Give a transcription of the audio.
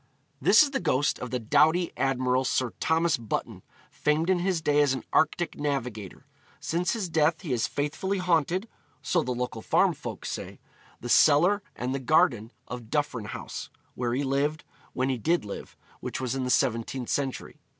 This is the ghost of the doughty admiral Sir Thomas Button, famed in his day as an Arctic navigator. Since his death he has faithfully haunted (so the local farm folk say) the cellar and the garden of Duffryn House, where he lived, when he did live, which was in the 17th century.